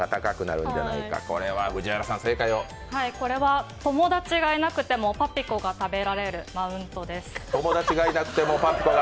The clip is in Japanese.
これは友達がいなくてもパピコを食べられるマウントです。